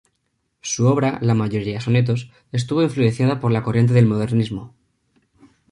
Su obra –la mayoría sonetos– estuvo influenciada por la corriente del modernismo.